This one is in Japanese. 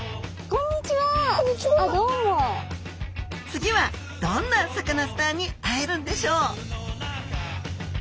次はどんなサカナスターに会えるんでしょう